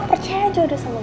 percaya aja udah sama